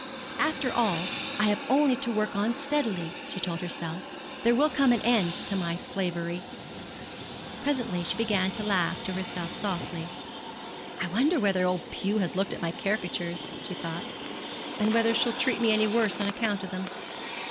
'After all I have only to work on steadily,' she told herself; 'there will come an end to my slavery.' Presently she began to laugh to herself softly: 'I wonder whether old Pew has looked at my caricatures,' she thought, 'and whether she'll treat me any worse on account of them?'